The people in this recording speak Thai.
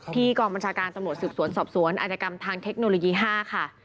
กองบัญชาการตำรวจสืบสวนสอบสวนอาจกรรมทางเทคโนโลยี๕ค่ะ